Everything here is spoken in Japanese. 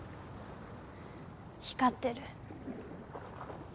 光ってる。